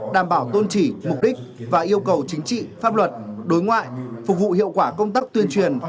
đảm bảo tôn chỉ mục đích và yêu cầu chính trị pháp luật đối ngoại phục vụ hiệu quả công tác tuyên truyền